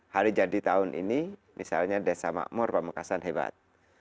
hari jadi tahun ini misalnya desa makmur pamekasan hebat